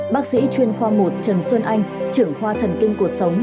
bác sĩ chuyên khoa một trần xuân anh trưởng khoa thần kinh cuộc sống